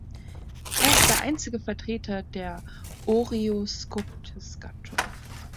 Er ist der einzige Vertreter der Oreoscoptes-Gattung.